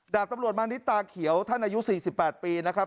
ดาบตำรวจมานิดตาเขียวท่านอายุ๔๘ปีนะครับ